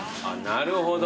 なるほど。